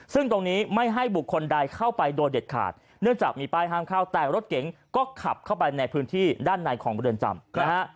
ซึ่งตรงนี้ไม่ให้บุคคลใดเข้าไปโดยเด็ดขาดเนื่องจากมีป้ายห้ามเข้าแต่รถเก๋งก็ขับเข้าไปในพื้นที่ด้านในของบริเวณจำนะฮะ